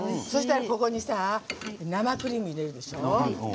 ここに生クリーム入れるでしょ。